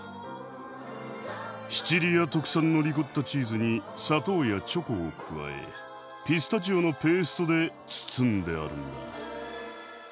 シチリア特産のリコッタチーズに砂糖やチョコを加えピスタチオのペーストで包んであるんだ。